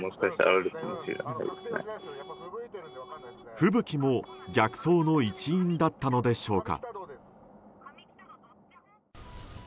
吹雪も逆走の一因だったのでしょうか。